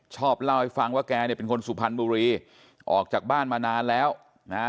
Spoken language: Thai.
ชอบเล่าให้ฟังว่าแกเป็นคนสุพนบุหรี่ออกจากบ้านมานานแล้วนะ